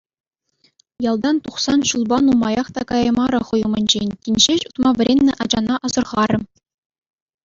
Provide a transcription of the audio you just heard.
Ялтан тухсан ҫулпа нумаях та каяймарӗ хӑй умӗнче тин ҫеҫ утма вӗреннӗ ачана асӑрхарӗ.